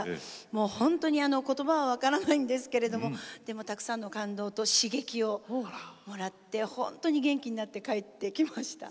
もうほんとに言葉は分からないんですけれどもたくさんの感動と刺激をもらってほんとに元気になって帰ってきました。